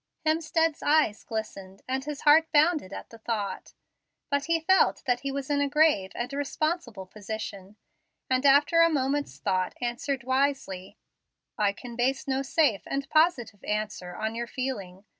Hemstead's eyes glistened, and his heart bounded at the thought; but he felt that he was in a grave and responsible position, and after a moment's thought answered wisely: "I can base no safe and positive answer on your feeling.